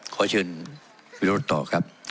ขอเชื่อมั่นต้องตอบครับ